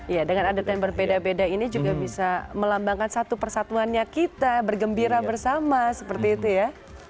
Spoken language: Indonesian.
ya dengan adat yang berbeda beda ini juga bisa melambangkan satu persatuannya kita bergembira bersama seperti itu ya